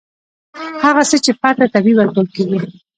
هغه څه چې فرد ته طبیعي ورکول کیږي.